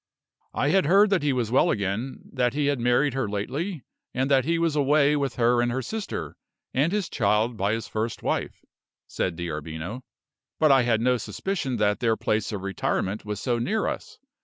"I had heard that he was well again, that he had married her lately, and that he was away with her and her sister, and his child by the first wife," said D'Arbino; "but I had no suspicion that their place of retirement was so near us.